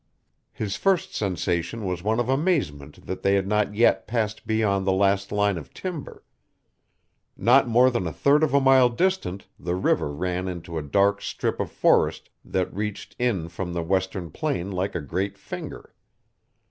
His first sensation was one of amazement that they had not yet passed beyond the last line of timber. Not more than a third of a mile distant the river ran into a dark strip of forest that reached in from the western plain like a great finger.